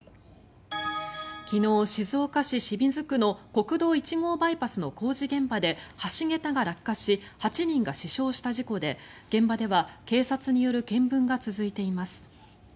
昨日、静岡市清水区の国道１号バイパスの工事現場で橋桁が落下し８人が死傷した事故で現場では、警察による見分が続いています。